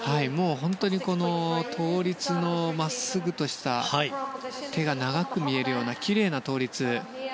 本当に倒立の真っすぐとした、手が長く見えるようなきれいな倒立。